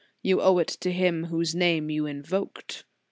You owe it to Him whose name you invoked."